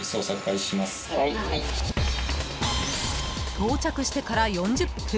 ［到着してから４０分